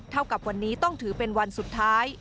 เท่ากับวันนี้ต้องถือเป็นวันสุดท้าย